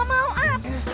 gak mau ah